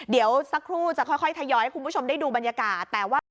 เดี๋ยวสักครู่จะค่อยทยอยให้คุณผู้ชมได้ดูบรรยากาศแต่ว่า